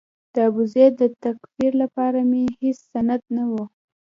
د ابوزید د تکفیر لپاره مې هېڅ سند نه و.